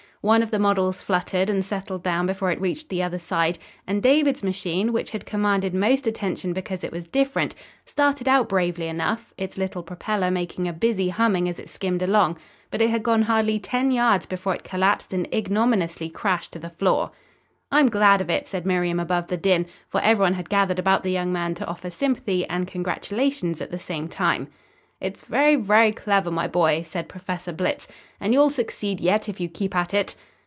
One of the models fluttered and settled down before it reached the other side, and David's machine, which had commanded most attention because it was different, started out bravely enough, its little propeller making a busy humming as it skimmed along. But it had gone hardly ten yards before it collapsed and ignominiously crashed to the floor. "I'm glad of it," said Miriam above the din, for everyone had gathered about the young man to offer sympathy and congratulations at the same time. "It's very, very clever, my boy," said Professor Blitz, "and you'll succeed yet, if you keep at it."